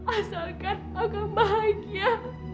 asalkan aku bahagia